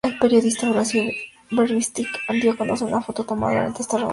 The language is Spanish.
El periodista Horacio Verbitsky dio a conocer una foto tomada durante esa reunión.